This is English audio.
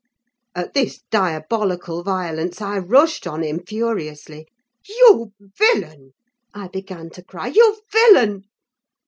At this diabolical violence I rushed on him furiously. "You villain!" I began to cry, "you villain!"